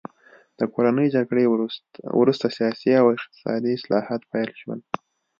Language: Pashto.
د کورنۍ جګړې وروسته سیاسي او اقتصادي اصلاحات پیل شول.